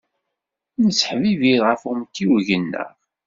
Nesseḥbibir ɣef umtiweg-nneɣ.